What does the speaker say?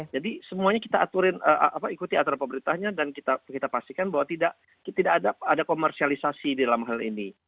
jadi semuanya kita ikuti aturan pemerintahnya dan kita pastikan bahwa tidak ada komersialisasi dalam hal ini